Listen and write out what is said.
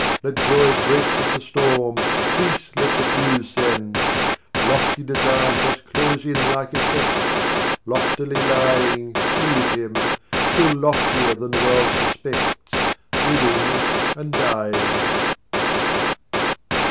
Let joy break with the storm, Peace let the dew send! Lofty designs must close in like effects: Loftily Iying, Leave him still loftier than the world suspects, Living and dying.